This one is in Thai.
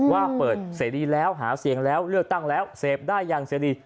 ว่าเปิดเสรีแล้วหาเสียงแล้วเลือกตั้งแล้วเสพได้อย่างเสรี